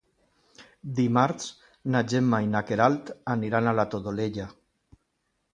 Dimarts na Gemma i na Queralt aniran a la Todolella.